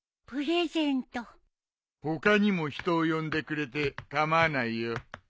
他にも人を呼んでくれて構わないよ。